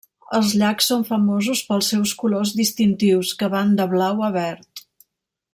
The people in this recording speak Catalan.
Els llacs són famosos pels seus colors distintius, que van de blau a verd.